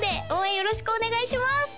よろしくお願いします！